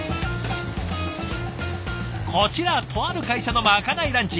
こちらとある会社のまかないランチ。